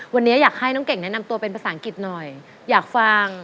วันนี้อยากให้น้องเก่งแนะนำตัวเป็นภาษาอังกฤษหน่อยอยากฟัง